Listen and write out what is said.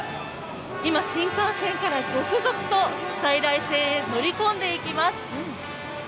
今、新幹線から続々と在来線へ乗り込んでいきます。